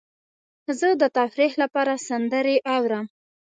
زه د تفریح لپاره سندرې اورم.